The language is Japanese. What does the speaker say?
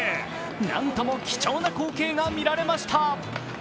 何とも貴重な光景が見られました。